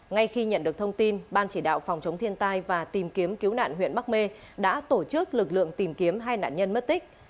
ngay khi nhận được thông tin ban chỉ đạo phòng chống thiên tai và tìm kiếm cứu nạn huyện bắc mê đã tổ chức lực lượng tìm kiếm hai nạn nhân mất tích